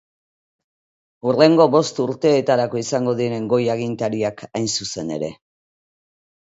Hurrengo bost urteetarako izango diren goi agintariak hain zuzen ere.